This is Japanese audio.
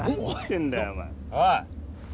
おい。